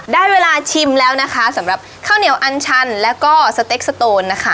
ได้เวลาชิมแล้วนะคะสำหรับข้าวเหนียวอันชันแล้วก็สเต็กสตูนนะคะ